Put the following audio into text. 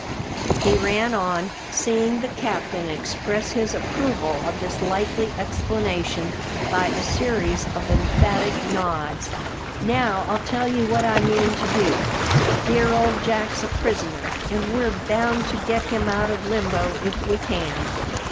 he ran on, seeing the captain express his approval of this likely explanation by a series of emphatic nods, "now I'll tell you what I mean to do. Dear old Jack's a prisoner, and we're bound to get him out of limbo if we can.